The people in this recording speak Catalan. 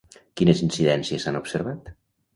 Quines incidències s'han observat?